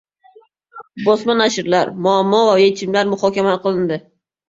Bosma nashrlar: muammo va yechimlar muhokama qilindi